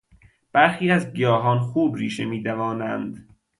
برخی از گیاهان خوب ریشه میدوانند.